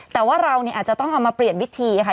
แต่ว่าเราอาจจะต้องเอามาเปลี่ยนวิธีค่ะ